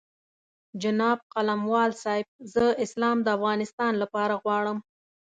جناب قلموال صاحب زه اسلام د افغانستان لپاره غواړم.